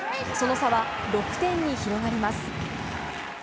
その差は６点に広がります。